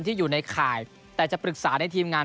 ที่อยู่ในข่ายแต่จะปรึกษาในทีมงาน